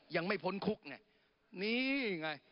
ยังไม่พ้นคุกไงนี่ไง